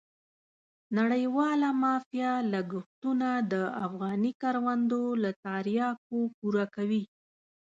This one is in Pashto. نړیواله مافیا لګښتونه د افغاني کروندو له تریاکو پوره کوي.